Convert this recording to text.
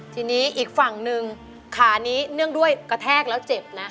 ทีนี้อีกฝั่งหนึ่งขานี้เนื่องด้วยกระแทกแล้วเจ็บนะ